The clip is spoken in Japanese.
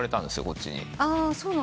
こっちに。